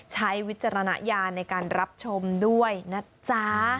วิจารณญาณในการรับชมด้วยนะจ๊ะ